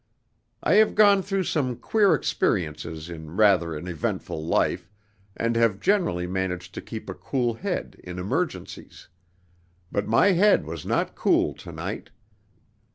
I have gone through some queer experiences in rather an eventful life, and have generally managed to keep a cool head in emergencies. But my head was not cool to night.